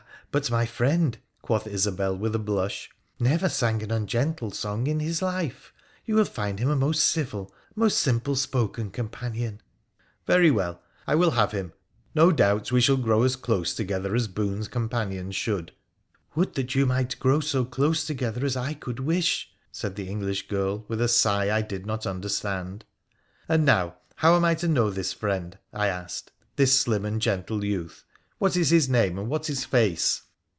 but my friend,' quoth Isobel, with a blush, ' never sang an ungentle song in his life ; you will find him a most civil, most simple spoken companion.' ' Well, then, I will have him — no doubt we shall grow as close together as boon companions should.' ' Would that you might grow so close together as I could wish !' said the English girl, with a sigh I did not under stand. 'And now, how am I to know this friend,' I asked, ' this slim and gentle youth ? What is his name, and what his face